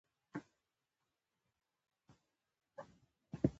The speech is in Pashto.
د موټرو انجن باید په منظم ډول تفتیش شي.